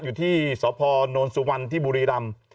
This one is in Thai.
อยู่ที่สพนสุวรรณที่บุรีรำ